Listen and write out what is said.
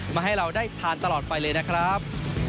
แบบนี้สุดยอดเยี่ยมจริง